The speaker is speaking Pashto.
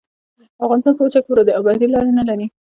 افغانستان په وچه کې پروت دی او بحري لارې نلري